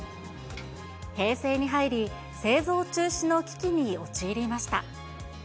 平成に入り製造中止の危機に陥りました。